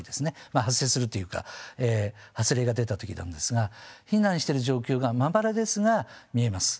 まあ発生するというか発令が出た時なんですが避難してる状況がまばらですが見えます。